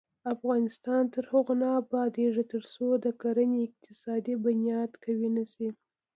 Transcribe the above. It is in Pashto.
افغانستان تر هغو نه ابادیږي، ترڅو د کورنۍ اقتصادي بنیادي قوي نشي.